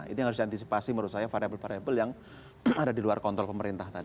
itu yang harus diantisipasi menurut saya variable variable yang ada di luar kontrol pemerintah tadi